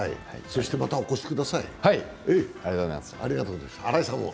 そして、またお越しください。